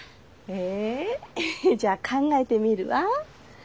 えじゃあ考えてみるわ。